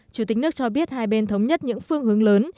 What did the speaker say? chủ tịch nước cho biết hai bên thống nhất những phương hướng lớn